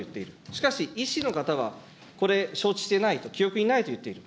しかし医師の方は、これ承知してないと、記憶にないと言っている。